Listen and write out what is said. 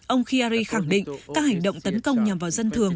ông khayyari khẳng định các hành động tấn công nhằm vào dân thường